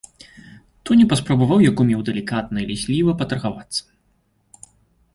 Тоня паспрабаваў як умеў далікатна і лісліва патаргавацца.